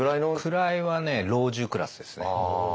位はね老中クラスですね。